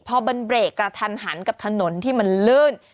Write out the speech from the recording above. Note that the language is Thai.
พอมันเบรกกระทันหันกับถนนที่มันลื่น